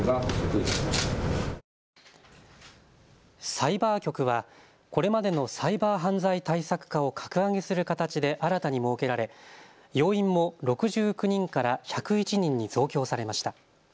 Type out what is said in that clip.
サイバー局はこれまでのサイバー犯罪対策課を格上げする形で新たに設けられ要員も６９人から１０１人に増強されました。